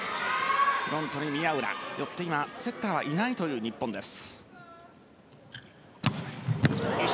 フロントに宮浦よって今セッターはいないという日本です。